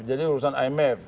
jadi urusan imf